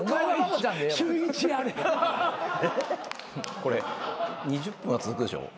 これ２０分は続くでしょ？